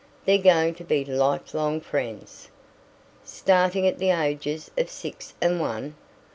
They're going to be lifelong friends." "Starting at the ages of six and one?"